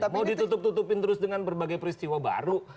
mau ditutup tutupin terus dengan berbagai peristiwa baru